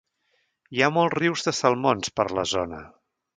Hi ha molts rius de salmons per la zona.